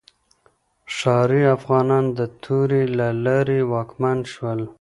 ښاري افغانان د تورې له لارې واکمن شول.